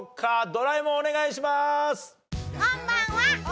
ドラえもんお願いします！